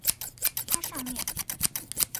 它上面